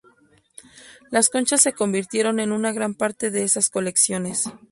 Las conchas se convirtieron en una gran parte de esas colecciones.